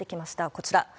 こちら。